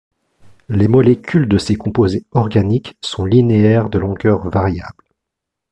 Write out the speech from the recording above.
Les molécules de ces composés organiques sont linéaires de longueur variable.